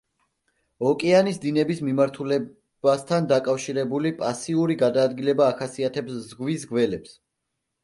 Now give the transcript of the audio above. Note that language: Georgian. ოკეანის დინების მიმართულებასთან დაკავშირებული პასიური გადაადგილება ახასიათებს ზღვის გველებს.